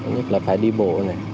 nhất là phải đi bộ